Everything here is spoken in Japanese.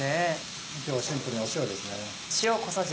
今日はシンプルに塩ですね。